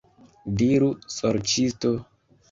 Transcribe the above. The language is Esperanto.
Diru, sorĉisto!